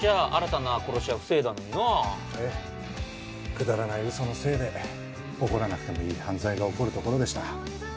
くだらない嘘のせいで起こらなくてもいい犯罪が起こるところでした。